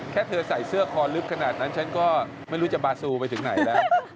แค่เธอใส่เสื้อคอลึกขนาดนั้นฉันก็ไม่รู้จะบาซูไปถึงไหนแล้ว